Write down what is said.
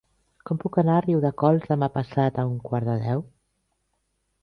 Com puc anar a Riudecols demà passat a un quart de deu?